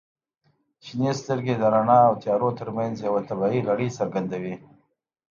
• شنې سترګې د رڼا او تیارو ترمنځ یوه طبیعي لړۍ څرګندوي.